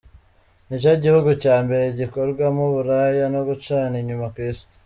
Nicyo gihugu cya mbere gikorwamo uburaya no gucana inyuma ku Isi.